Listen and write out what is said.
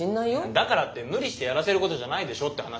だからって無理してやらせることじゃないでしょって話。